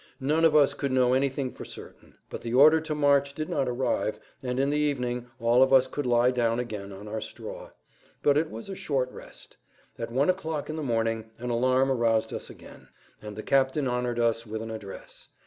None of us could know anything for certain. But the order to march did not arrive, and in the evening all of us could lie down again on our straw. But it was a short rest. At 1 o'clock in the morning an alarm aroused us again, and the captain honored us with an address.